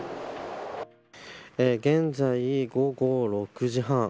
現在、午後６時半。